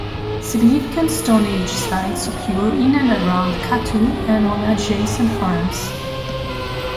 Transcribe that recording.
Significant Stone Age sites occur in and around Kathu and on adjacent farms.